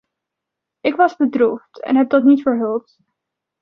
Ik was bedroefd en heb dat niet verhuld.